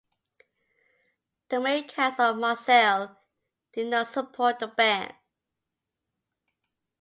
The mayor-council of Marseille did not support the ban.